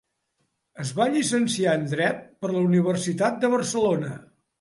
Es va llicenciar en Dret per la Universitat de Barcelona.